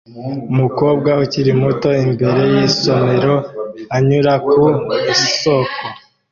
Umukobwa ukiri muto imbere yisomero anyura ku isoko